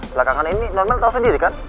belakangan ini non mel tau sendiri kan